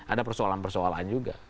ada persoalan persoalan juga